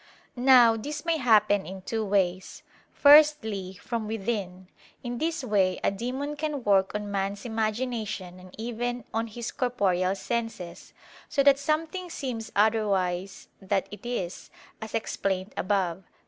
Now this may happen in two ways. Firstly, from within; in this way a demon can work on man's imagination and even on his corporeal senses, so that something seems otherwise that it is, as explained above (Q.